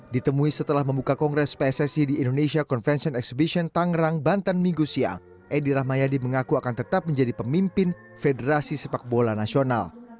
ditemui setelah membuka kongres pssi di indonesia convention exhibition tangerang banten minggu siang edi rahmayadi mengaku akan tetap menjadi pemimpin federasi sepak bola nasional